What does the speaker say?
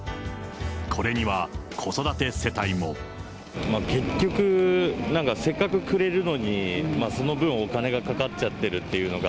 これには、結局、なんかせっかくくれるのにその分、お金がかかっちゃってるっていうのが。